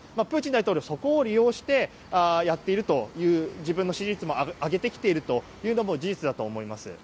プーチン大統領はそれを利用している自分の支持率も上げてきているというのも事実だと思います。